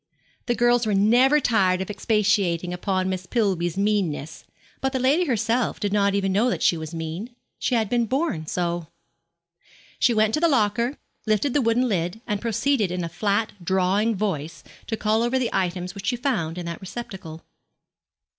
The girls were never tired of expatiating upon Miss Pillby's meanness; but the lady herself did not even know that she was mean. She had been born so. She went to the locker, lifted the wooden lid, and proceeded in a flat, drawling voice to call over the items which she found in that receptacle.